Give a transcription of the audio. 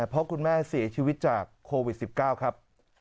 เพราะคุณแม่เสียชีวิตจากโควิด๑๙ครับ